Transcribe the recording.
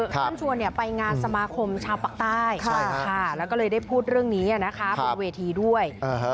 ท่านชวนไปงานสมาคมชาวปากใต้แล้วก็เลยได้พูดเรื่องนี้นะคะบนเวทีด้วย